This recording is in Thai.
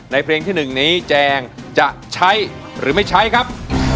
เพลงที่๑นี้แจงจะใช้หรือไม่ใช้ครับ